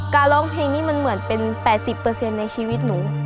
ร้องเพลงนี้มันเหมือนเป็น๘๐ในชีวิตหนู